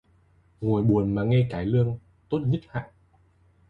Ngồi buồn mà nghe cải lương, tốt nhứt hạng